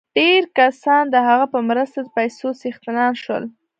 ډېر کسان د هغه په مرسته د پیسو څښتنان شول